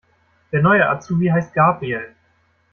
Der neue Azubi heißt Gabriel.